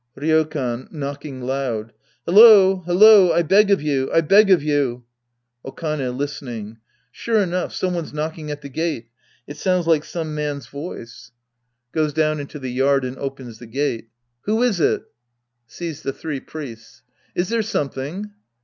Ryokan {knocking loud). Hello ! Hello 1 I beg of you. I beg of you. Okane {listening). Sure enough, some one's knock ing at the gate. It sounds like some man's voice. 26 The Priest and His Disciples Act I {Goes down into the yard and opens ttie gate.) Who is it? {Sees the three priests.) .Is there something?